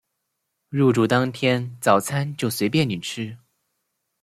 入住当天早餐就随便你吃